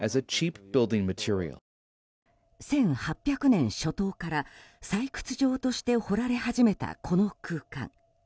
１８００年初頭から採掘場として掘られ始めたこの空間。